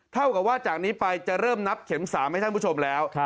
เท่ากับว่าจากนี้ไปจะเริ่มนับเข็ม๓ให้ท่านผู้ชมแล้ว